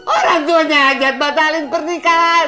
orang tuanya aja batalin pernikahan